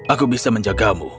aku bisa menjagamu